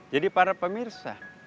jadi para pemirsa